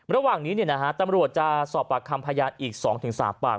ระหว่างนี้ตำรวจจะสอบปากคำพยานอีก๒๓ปาก